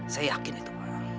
saya yakin itu bang